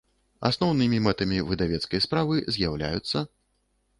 Асноўнымi мэтамi выдавецкай справы з’яўляюцца.